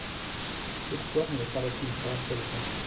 Pourquoi ne le parle-t-il pas, Folletin ?